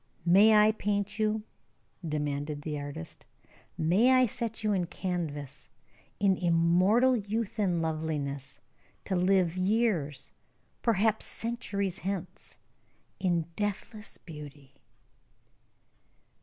"May I paint you?" demanded the artist. "May I set you in canvas, in immortal youth and loveliness, to live years, perhaps centuries hence, in deathless beauty?"